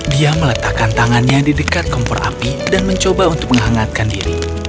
dia meletakkan tangannya di dekat kompor api dan mencoba untuk menghangatkan diri